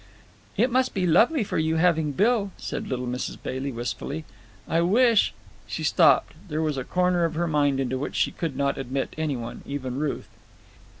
"It must be lovely for you having Bill," said little Mrs. Bailey wistfully. "I wish—" She stopped. There was a corner of her mind into which she could not admit any one, even Ruth.